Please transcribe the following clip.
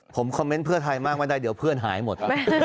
ผมคอมเมนต์เพื่อไทยมากไม่ได้เดี๋ยวเพื่อนหายหมด